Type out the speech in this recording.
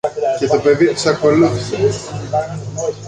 Και το παιδί τους ακολούθησε.